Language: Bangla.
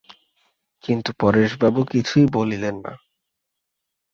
কিন্তু পরেশবাবু কিছুই বলিলেন না।